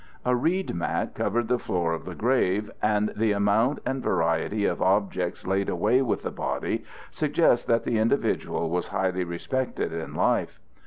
A reed mat covered the floor of the grave, and the amount and variety of objects laid away with the body suggest that the individual was highly respected in life.